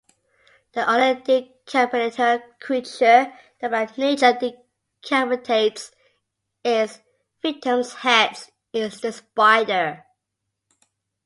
The only decapitator creature that by nature decapitates its victims heads is the spider.